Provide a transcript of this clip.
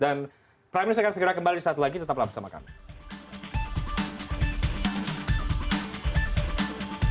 dan prime news akan segera kembali suatu lagi tetap lama bersama kami